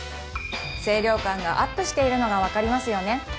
清涼感がアップしているのが分かりますよね